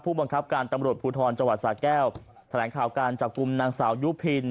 บังคับการตำรวจภูทรจังหวัดสาแก้วแถลงข่าวการจับกลุ่มนางสาวยุพิน